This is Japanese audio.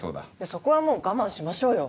そこはもう我慢しましょうよ。